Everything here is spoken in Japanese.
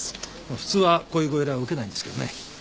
普通はこういうご依頼は受けないんですけどね。